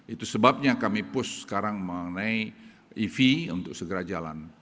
itu sebabnya kami push sekarang mengenai ev untuk segera jalan